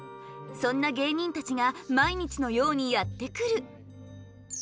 そんな芸人たちが毎日のようにやって来る。